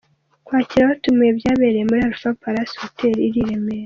Kwakira abatumiwe byabereye muri Alpha Palace Hotel iri i Remera.